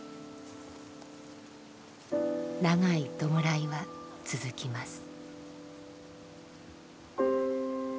長い弔いは続きます。